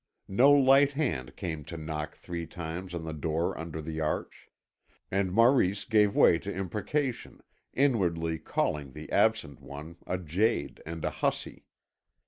No light hand came to knock three times on the door under the arch. And Maurice gave way to imprecation, inwardly calling the absent one a jade and a hussy.